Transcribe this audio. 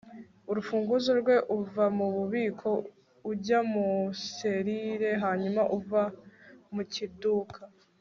urufunguzo rwe, uva mububiko ujya muri selire hanyuma uva mukiduka